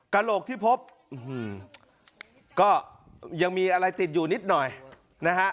กระโหลกที่พบก็ยังมีอะไรติดอยู่นิดหน่อยนะฮะ